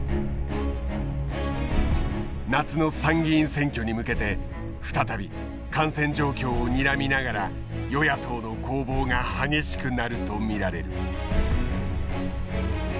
夏の参議院選挙に向けて再び感染状況をにらみながら与野党の攻防が激しくなると見られる。